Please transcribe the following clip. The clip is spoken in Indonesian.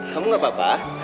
kamu gak apa apa